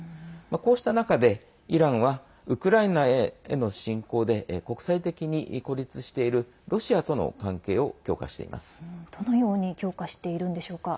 こうした中で、イランはウクライナへの侵攻で国際的に孤立しているどのように強化しているんでしょうか？